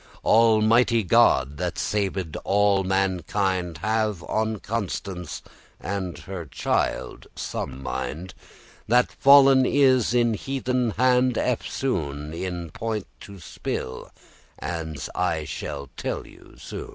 Almighty God, that saved all mankind, Have on Constance and on her child some mind, That fallen is in heathen hand eftsoon* *again *In point to spill,* as I shall tell you soon!